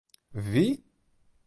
Vi?